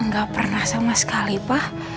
nggak pernah sama sekali pak